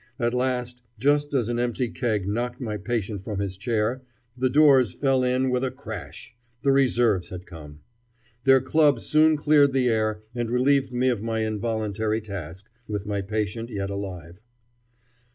At last, just as an empty keg knocked my patient from his chair, the doors fell in with a crash; the reserves had come. Their clubs soon cleared the air and relieved me of my involuntary task, with my patient yet alive.